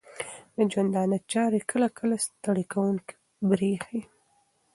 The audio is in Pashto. د ژوندانه چارې کله کله ستړې کوونکې بریښې